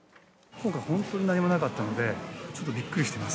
今回、本当に何もなかったので、ちょっとびっくりしてます。